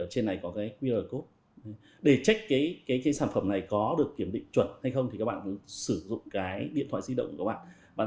trên này có cái qr code để check cái sản phẩm này có được kiểm định chuẩn hay không thì các bạn sử dụng cái điện thoại di động của các bạn